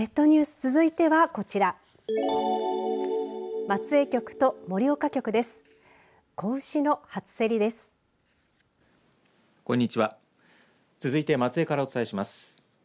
続いて松江からお伝えします。